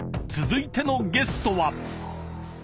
［続いてのゲストは］